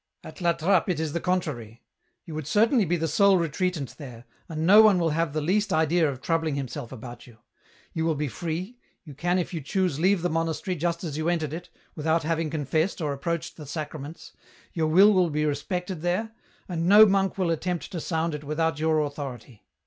" At La Trappe it is the contrary. You would certainly be the sole retreatant there, and no one will have the least idea of troubling himself about you ; you will be free, you can if you choose leave the monastery just as you entered it, without having confessed or approached the Sacraments, your will will be respected there, and no monk will attempt to sound it without your authority.